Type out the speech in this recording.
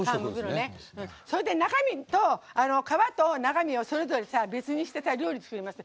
それで、皮と中身をそれぞれ別にして料理作ります。